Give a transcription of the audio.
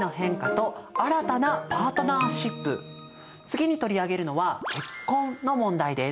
次に取り上げるのは「結婚」の問題です。